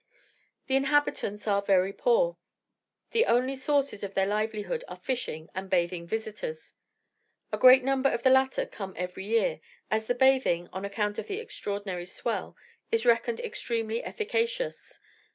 The inhabitants are very poor. The only sources of their livelihood are fishing and bathing visitors. A great number of the latter come every year, as the bathing, on account of the extraordinary swell, is reckoned extremely efficacious.